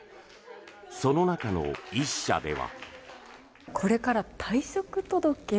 その中の１社では。